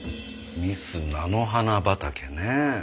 ミス菜の花畑ねえ。